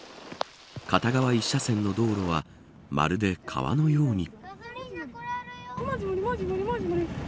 片側一車線の道路はまるで川のように。